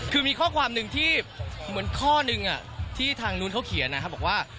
คือมีข้อความหนึ่งที่เหมือนข้อหนึ่งที่ทางนู้นเขาเขียนนะครับบอกว่า